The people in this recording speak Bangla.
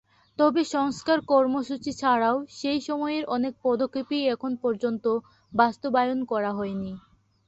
তবে সংস্কার কর্মসূচি ছাড়াও সেই সময়ের অনেক পদক্ষেপই এখন পর্যন্ত বাস্তবায়ন করা হয়নি।